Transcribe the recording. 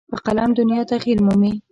په قلم دنیا تغیر مومي.